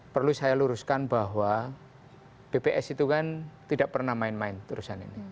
perlu saya luruskan bahwa bps itu kan tidak pernah main main terusan ini